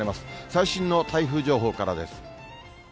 最新の台風情報からです。